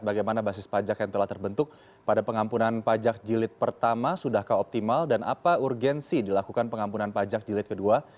bagaimana basis pajak yang telah terbentuk pada pengampunan pajak jilid pertama sudahkah optimal dan apa urgensi dilakukan pengampunan pajak jilid kedua